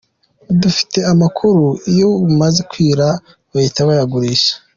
Dufite amakuru ko iyo bumaze kwira bahita bayagurisha.